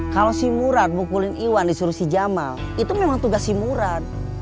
kalau si murat mukulin iwan disuruh si jamal itu memang tugas si murat